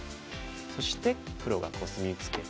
そして黒がコスミツケて。